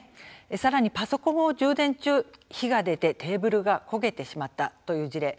さらにパソコンを充電中火が出て、テーブルが焦げてしまったという事例